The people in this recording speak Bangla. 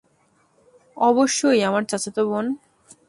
অবশ্যই, আমার চাচাতো বোন।